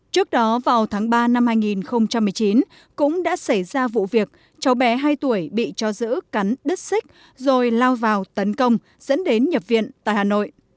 trước đó vào tháng ba năm hai nghìn một mươi chín cũng đã xảy ra vụ việc cháu bé hai tuổi bị cho giữ cắn đứt xích rồi lao vào tấn công dẫn đến nhập viện tại hà nội